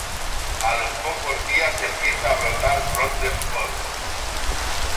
A los pocos días empieza a brotar frondes nuevos.